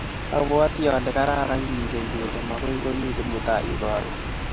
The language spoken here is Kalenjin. Abwoti ale kararan kengen kole makoi komii Kimutai yu karon